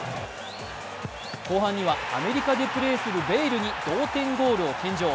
後半にはアメリカでプレーするベイルに同点ゴールを献上。